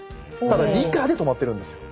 ただ理科で止まってるんですよ。